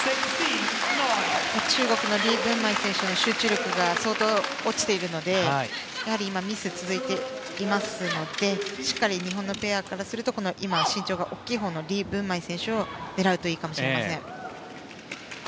中国のリ・ブンマイ選手の集中力が相当落ちているので今、ミスが続いていますのでしっかり日本のペアからすると身長が大きい方のリ・ブンマイ選手を狙うといいかもしれません。